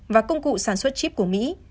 và công cụ sản xuất chips của mỹ